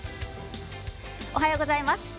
おはようございます。